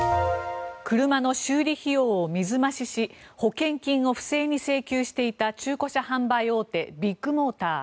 車の修理費用を水増しし保険金を不正に請求していた中古車販売大手ビッグモーター。